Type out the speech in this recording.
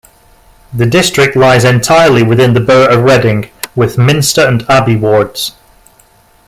The district lies entirely within the borough of Reading, within Minster and Abbey wards.